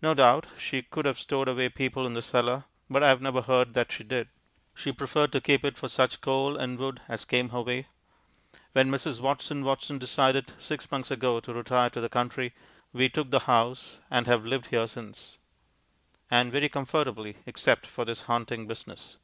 No doubt she could have stowed people away in the cellar, but I have never heard that she did; she preferred to keep it for such coal and wood as came her way. When Mrs. Watson Watson decided six months ago to retire to the country, we took the house, and have lived here since. And very comfortably, except for this haunting business.